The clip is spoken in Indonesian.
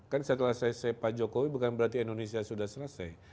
kan setelah selesai pak jokowi bukan berarti indonesia sudah selesai